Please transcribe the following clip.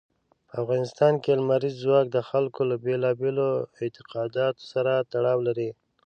په افغانستان کې لمریز ځواک د خلکو له بېلابېلو اعتقاداتو سره تړاو لري.